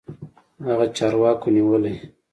هغه چارواکو نيولى.